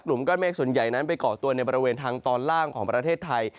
กลุ่มก้อนเมฆส่วนใหญ่นั้นไปก่อตัวในบริเวณทางตอนล่างของประเทศไทย